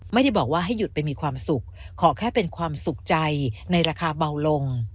ไม่ได้บอกว่าให้หยุดไปมีความสุขขอแค่เป็นความสุขใจในราคาเบาลง